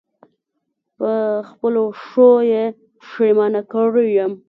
په خپلو ښو یې پښېمانه کړی یم.